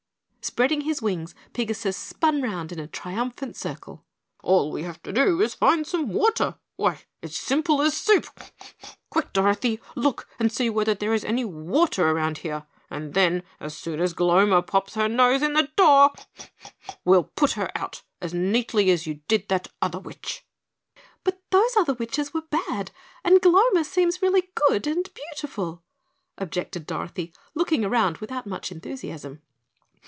Spreading his wings, Pigasus spun round in a triumphant circle. "All we have to do is to find some water. Why, it's simple as soup. Quick, Dorothy, look and see whether there is any water around here, then as soon as Gloma pops her nose in the door we'll put her out as neatly as you did that other witch." "But those other witches were bad and Gloma seems really good and beautiful," objected Dorothy, looking around without much enthusiasm.